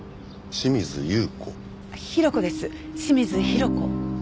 清水裕子。